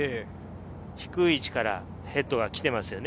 低い位置からヘッドが来ていますよね。